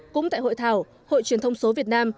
cũng tại hội thảo hội truyền thông số việt nam